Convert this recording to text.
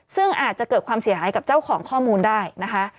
ซึ่งอาจจะเกิดความเสียหายกับเจ้าของข้อมูลได้นะคะ